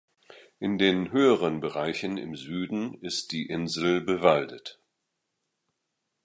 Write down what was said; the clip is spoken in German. In den höheren Bereichen im Süden ist die Insel bewaldet.